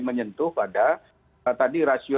menyentuh pada tadi rasio